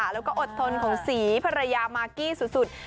แล้วก็อดทนของศรีภรรยามากกี้สุด